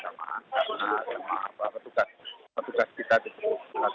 ada pertubuhan dari indonesia ke kepok